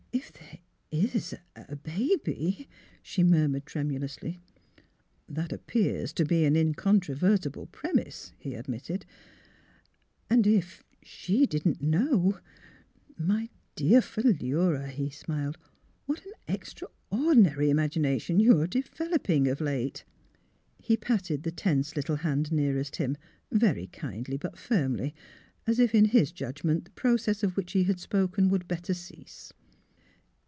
" If there is — a baby," she murmured, tremu lously. " That appears to be an incontrovertible prem ise," he admitted. " And if — she didn't know "" My dear Philura," he smiled, " what an ex traordinary imagination you are developing of late." He patted the tense little hand nearest him, very kindly but firmly, as if in his judgment the proc ess of which he had spoken would better cease.